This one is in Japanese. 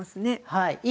はい。